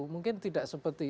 mungkin tidak seperti